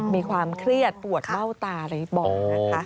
มีความเครียดปวดเบ้าตาอะไรบ่อยนะคะ